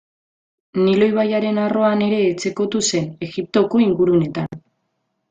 Nilo ibaiaren arroan ere etxekotu zen, Egiptoko inguruetan.